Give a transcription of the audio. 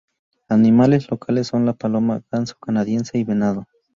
Animales locales son la paloma, ganso canadiense y venado.